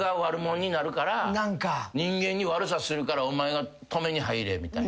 人間に悪さするからお前が止めに入れみたいな。